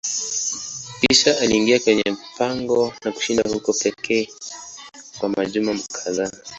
Kisha aliingia kwenye pango na kushinda huko pekee kwa majuma kadhaa.